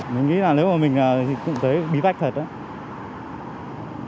mình nghĩ là nếu mà mình thì cũng thấy bí vách thật đấy